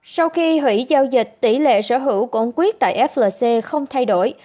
sau khi hủy giao dịch tỷ lệ sở hữu của ông quyết tại flc không thay đổi